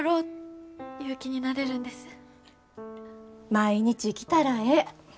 毎日来たらええ。